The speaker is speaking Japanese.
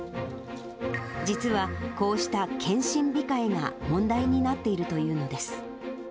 実は、こうした検診控えが問題になっているというのです。